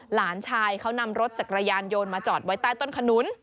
หลานชายเขานำรถจักรยานโยนมาจอดไว้ใต้ต้นขนุน